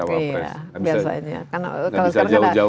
biasanya kalau sekarang ada